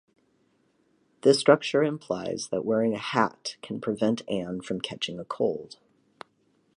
This structure implies that wearing a hat can prevent Ann from catching a cold.